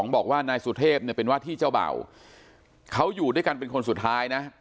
บอกว่านายสุเทพเนี่ยเป็นว่าที่เจ้าเบ่าเขาอยู่ด้วยกันเป็นคนสุดท้ายนะ